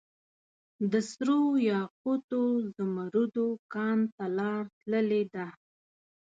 دسرو یاقوتو ، زمردو کان ته لار تللي ده